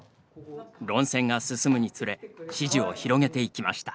論戦が進むにつれ支持を広げていきました。